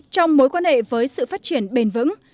trong mối quan hệ với sự phát triển bền vững